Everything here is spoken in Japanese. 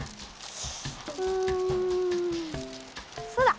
うんそうだ。